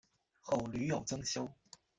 后屡有增修。